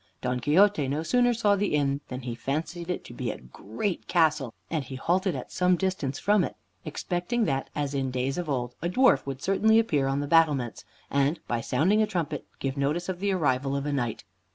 Don Quixote no sooner saw the inn than he fancied it to be a great castle, and he halted at some distance from it, expecting that, as in days of old, a dwarf would certainly appear on the battlements, and, by sounding a trumpet, give notice of the arrival of a knight.